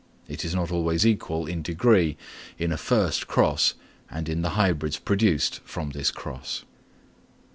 It is not always equal in degree in a first cross and in the hybrids produced from this cross.